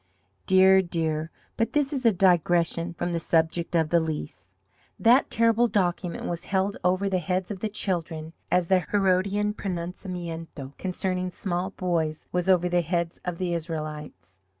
Dear, dear, but this is a digression from the subject of the Lease. That terrible document was held over the heads of the children as the Herodian pronunciamento concerning small boys was over the heads of the Israelites.